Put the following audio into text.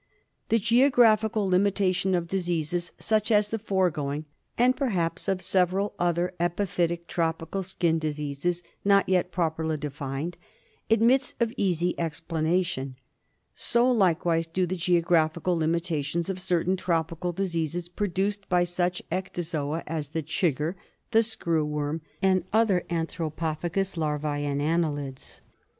The geographical limitation of diseases such as the foregoing, and perhaps of several other epiphytic tropical skin diseases not yet properly defined, admits of easy explanation. So, likewise, do the geographical limitations of certain tropical diseases produced by such ectozoa as the chigger, the screw worm, and other anthropophagous larvae and annelids.